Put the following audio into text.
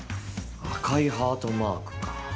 赤いハートマークか。